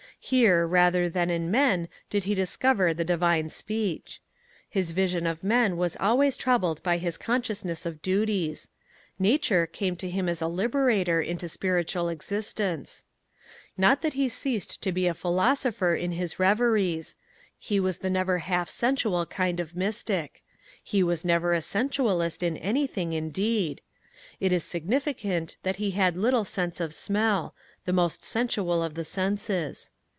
Here rather than in men did he discover the divine speech. His vision of men was always troubled by his consciousness of duties. Nature came to him as a liberator into spiritual existence. Not that he ceased to be a philosopher in his reveries. He was never the half sensual kind of mystic. He was never a sensualist in anything, indeed. It is significant that he had little sense of smell the most sensual of the senses.